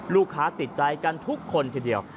ลูกค้าติดใจกันทุกคนทีเดียว